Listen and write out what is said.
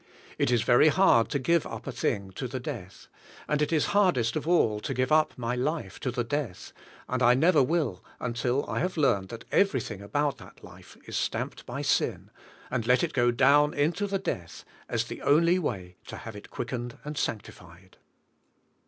It is very hard to give up a thing to the death, and it is hardest of all to give up my life to the death ,and I never will until I have learned that everything about that life is stamped by sin, and let it go down into the death as the only way to have it quickened and sanctified.